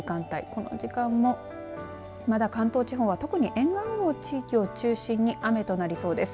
この時間もまだ関東地方は特に沿岸部を中心に雨となりそうです。